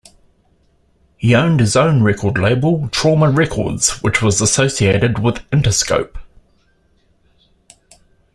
He owned his own record label Trauma Records, which was associated with Interscope.